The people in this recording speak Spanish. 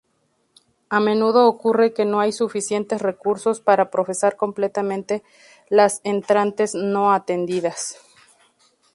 A menudo ocurre que no hay suficientes recursos para procesar completamente las entrantes no-atendidas.